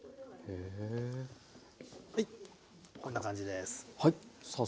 こんな感じです。